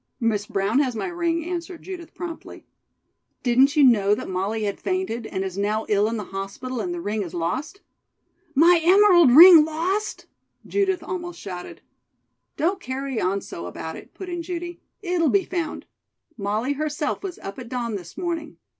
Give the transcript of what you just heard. "Miss Brown has my ring," answered Judith promptly. "Didn't you know that Molly had fainted and is now ill in the hospital and the ring is lost?" "My emerald ring lost?" Judith almost shouted. "Don't carry on so about it," put in Judy. "It'll be found. Molly herself was up at dawn this morning.